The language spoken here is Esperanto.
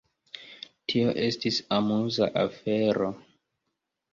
Tio estis amuza afero.